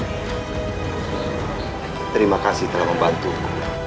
terima kasih telah membantumu